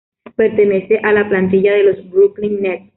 Pertenece a la plantilla de los Brooklyn Nets.